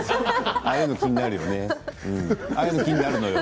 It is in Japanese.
ああいうの気になるのよ。